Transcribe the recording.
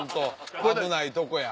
危ないとこや。